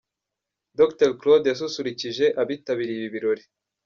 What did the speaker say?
Dr Claude yasusurukije abitabiriye ibi birori.